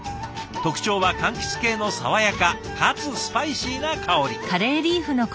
特徴はかんきつ系の爽やかかつスパイシーな香り。